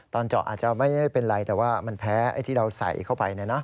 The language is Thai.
ตอนเจาะอาจจะไม่เป็นไรแต่ว่ามันแพ้ไอ้ที่เราใส่เข้าไป